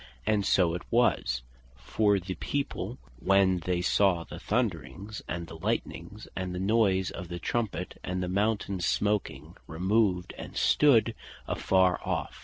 And so it was: for "the people" (Exod. 20.18.) "when they saw the Thunderings, and the Lightnings, and the noyse of the Trumpet, and the mountaine smoaking, removed, and stood a far off.